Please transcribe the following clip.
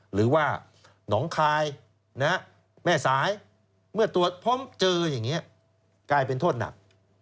หรือว่าหนองคายแม่สายเมื่อตรวจพบเจออย่างนี้กลายเป็นโทษหนัก